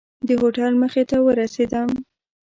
د هوټل مخې ته ورسېدم.